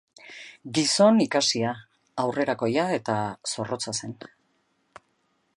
Gizon ikasia, aurrerakoia eta zorrotza zen.